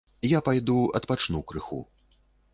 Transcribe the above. Я пайду, адпачну крыху.